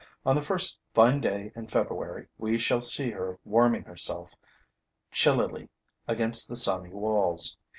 On the first fine day in February, we shall see her warming herself, chillily, against the sunny walls.